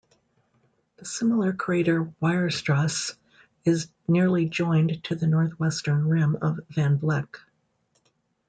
The similar crater Weierstrass is nearly joined to the northwestern rim of Van Vleck.